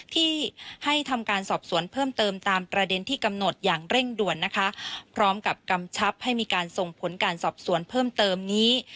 ที่ให้ทำการสอบสวนเพิ่มเติมตามประเด็นที่กำหนดอย่างเร่งด่วนนะคะพร้อมกับกำชับให้มีการส่งผลการสอบสวนเพิ่มเติมนี้